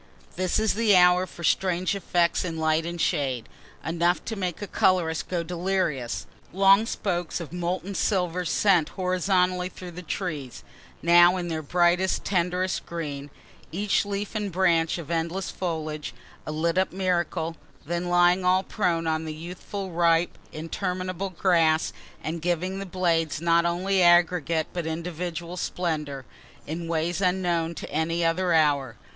_ This is the hour for strange effects in light and shade enough to make a colorist go delirious long spokes of molten silver sent horizontally through the trees (now in their brightest tenderest green,) each leaf and branch of endless foliage a lit up miracle, then lying all prone on the youthful ripe, interminable grass, and giving the blades not only aggregate but individual splendor, in ways unknown to any other hour.